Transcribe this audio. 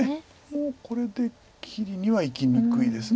もうこれで切りにはいきにくいです